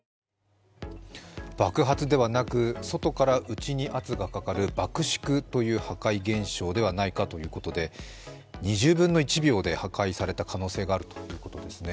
爆発ではなく外から内に圧がかかる爆縮という破壊現象ではないかということで、２０分の１秒で破壊された可能性があるということです。